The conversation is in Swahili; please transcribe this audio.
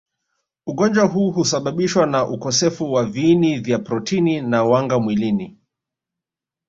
Ugonjwa huu husababishwa na ukosefu wa viini vya protini na wanga mwilini